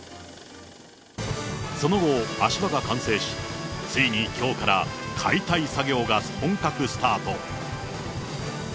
その後、足場が完成し、ついにきょうから解体作業が本格スタート。